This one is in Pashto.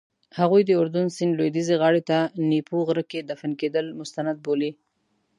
هغوی د اردن سیند لویدیځې غاړې ته نیپو غره کې دفن کېدل مستند بولي.